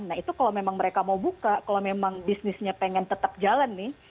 nah itu kalau memang mereka mau buka kalau memang bisnisnya pengen tetap jalan nih